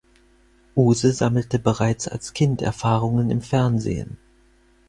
Uhse sammelte bereits als Kind Erfahrungen im Fernsehen.